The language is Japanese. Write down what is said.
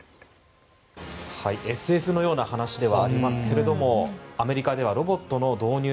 ＳＦのような話ではありますけれどもアメリカではロボットの導入